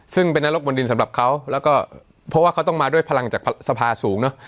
ซึ่งเป็นนรกบนดินสำหรับเขาแล้วก็เพราะว่าเขาต้องมาด้วยพลังจากสภาสูงเนอะ